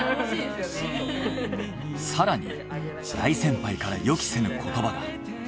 更に大先輩から予期せぬ言葉が。